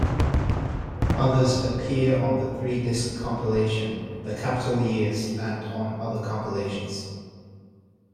Others appear on the three-disc compilation "The Capitol Years" and on other compilations.